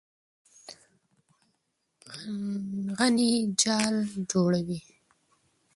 غڼې جال جوړوي.